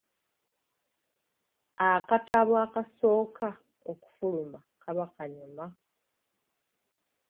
Akatabo akasooka okufuluma kaba kanyuma.